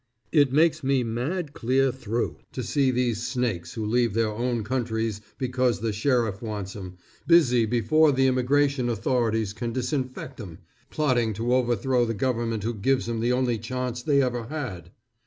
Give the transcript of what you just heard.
It makes me mad clear through, to see these snakes who leave their own countries because the sheriff wants 'em, busy before the immigration authorities can disinfect 'em, plotting to overthrow the government who gives 'em the only chance they ever had.